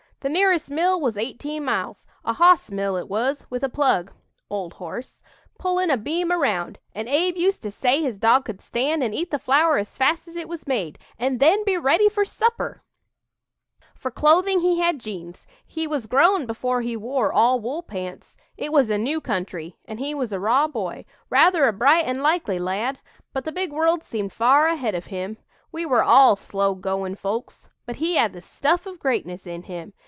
The nearest mill was eighteen miles. A hoss mill it was, with a plug (old horse) pullin' a beam around; and Abe used to say his dog could stand and eat the flour as fast as it was made, and then be ready for supper! "For clothing he had jeans. He was grown before he wore all wool pants. It was a new country, and he was a raw boy, rather a bright and likely lad; but the big world seemed far ahead of him. We were all slow goin' folks. But he had the stuff of greatness in him.